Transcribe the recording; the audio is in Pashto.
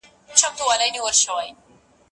زه اوږده وخت ږغ اورم وم،